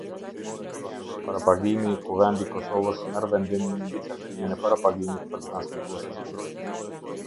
Parapagimi Kuvendi i Kosovës merr vendim mbi caktimin e parapagimit për transmetuesin publik.